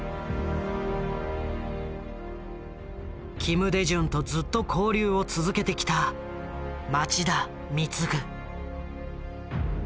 金大中とずっと交流を続けてきた町田貢。